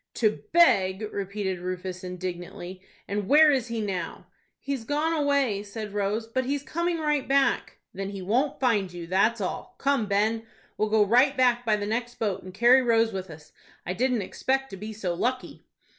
"To beg!" repeated Rufus, indignantly. "And where is he now?" "He's gone away," said Rose, "but he's coming right back." "Then he won't find you, that's all. Come, Ben, we'll go right back by the next boat, and carry Rose with us. I didn't expect to be so lucky."